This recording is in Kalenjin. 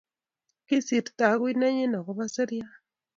Kisirto agui nenyi agoba seriat